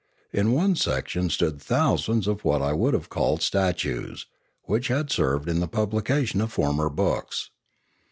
In one section stood thousands of what I Would have called statues, which had served in the publication of former books.